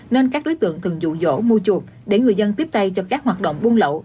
nên các đối tượng thường dụ dỗ mua chuột để người dân tiếp tay cho các hoạt động buôn lậu